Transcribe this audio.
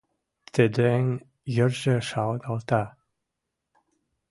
Тӹдӹн йӹржӹ шалгалта